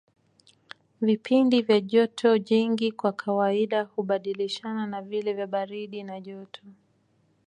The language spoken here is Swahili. Vipindi vya joto jingi kwa kawaida hubadilishana na vile vya baridi na joto